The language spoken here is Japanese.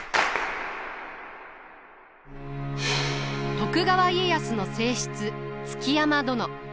徳川家康の正室築山殿。